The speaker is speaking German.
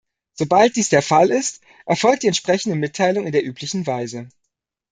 Sobald dies der Fall ist, erfolgt die entsprechende Mitteilung in der üblichen Weise.